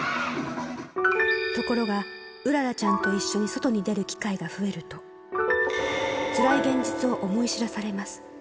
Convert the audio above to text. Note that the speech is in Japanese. ところが、麗ちゃんと一緒に外に出る機会が増えると、つらい現実を思い知らされます。